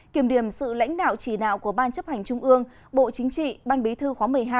kiểm điểm sự lãnh đạo chỉ đạo của ban chấp hành trung ương bộ chính trị ban bí thư khóa một mươi hai